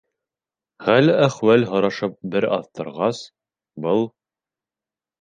Хәл-әхүәл һорашып бер аҙ торғас, был: